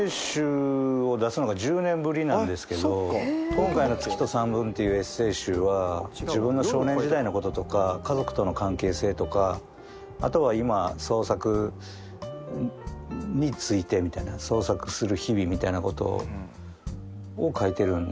今回の『月と散文』っていうエッセー集は自分の少年時代のこととか家族との関係性とかあとは今創作についてみたいな創作する日々みたいなことを書いてるんで。